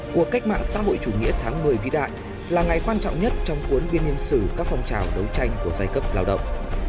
cuộc cách mạng xã hội chủ nghĩa tháng một mươi vĩ đại là ngày quan trọng nhất trong cuốn biên nhân sử các phong trào đấu tranh của giai cấp lao động